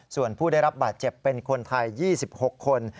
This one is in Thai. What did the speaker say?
ส่วนผู้ได้รับบาดเจ็บเป็นคนไทย๒๖คน